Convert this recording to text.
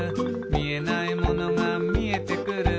「みえないものがみえてくる」